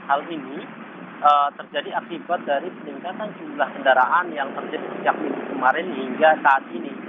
hal ini terjadi akibat dari peningkatan jumlah kendaraan yang terjadi sejak minggu kemarin hingga saat ini